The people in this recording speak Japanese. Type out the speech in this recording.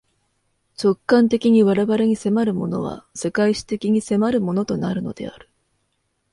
直観的に我々に迫るものは、世界史的に迫るものとなるのである。